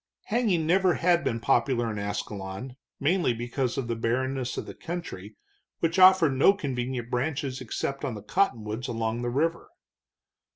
Hanging never had been popular in Ascalon, mainly because of the barrenness of the country, which offered no convenient branches except on the cottonwoods along the river.